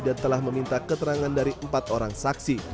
dan telah meminta keterangan dari empat orang saksi